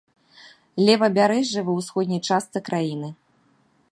Левабярэжжы, ва ўсходняй частцы краіны.